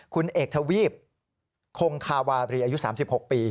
คุณเอกทวีปคงคาวาบรีอายุ๓๖ปี